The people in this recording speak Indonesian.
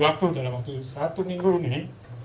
dan itu dalam waktu satu minggu ini